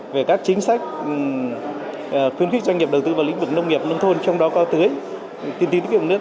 về các chính sách khuyến khích doanh nghiệp đầu tư vào lĩnh vực nông nghiệp nông thôn trong đó có tưới tiên tiến dụng nước